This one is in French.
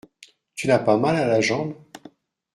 Tu n’as pas mal à la jambe ?